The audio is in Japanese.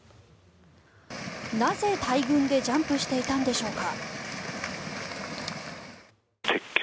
なぜ、大群でジャンプしていたんでしょうか。